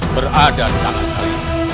berada di tangan kalian